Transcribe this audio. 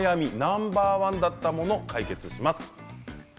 ナンバーワンだったもの、解決します。